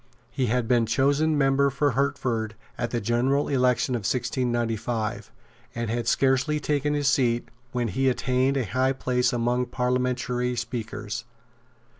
He had been chosen member for Hertford at the general election of 1695, and had scarcely taken his seat when he attained a high place among parliamentary speakers.